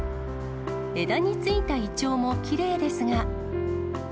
枝についたイチョウもきれいですが。